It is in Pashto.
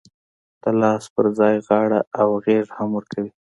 د لاس پر ځای غاړه او غېږ هم ورکوي.